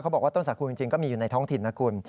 บอกว่าต้นสาคูจริงก็มีอยู่ในท้องถิ่นนะคุณ